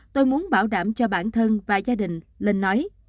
tôi muốn bảo đảm cho bản thân và gia đình lên nói